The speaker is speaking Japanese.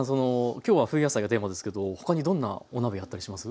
今日は冬野菜がテーマですけど他にどんなお鍋やったりします？